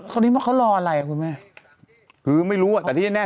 คนนี้ว่าเขารออะไรอ่ะคุณแม่คือไม่รู้อ่ะแต่ที่แน่